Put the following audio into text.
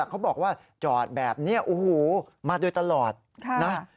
เขาบอกว่าจอดแบบนี้โอ้โหมาโดยตลอดนะ